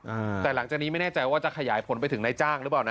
อืมแต่หลังจากนี้ไม่แน่ใจว่าจะขยายผลไปถึงนายจ้างหรือเปล่านะ